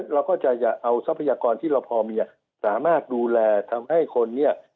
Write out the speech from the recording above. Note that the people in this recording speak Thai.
เราก็จะเอาทรัพยากรที่เราพอมีสามารถดูแลทำให้คนเนี่ย